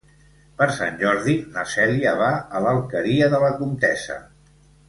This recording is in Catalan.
Per Sant Jordi na Cèlia va a l'Alqueria de la Comtessa.